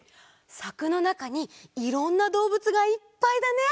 さくのなかにいろんなどうぶつがいっぱいだね！